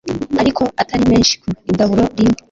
ariko atari menshi ku igaburo rimwe